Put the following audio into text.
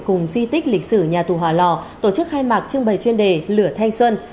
cùng di tích lịch sử nhà tù hòa lò tổ chức khai mạc trưng bày chuyên đề lửa thanh xuân